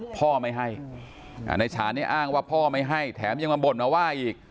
พ่อไม่ให้นายฉาเนี่ยอ้างว่าพ่อไม่ให้แถมยังมาบ่นมาว่าอีก